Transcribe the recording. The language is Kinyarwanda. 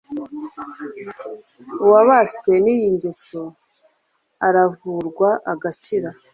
Uwabaswe n'iyi ngeso aravurwa agakira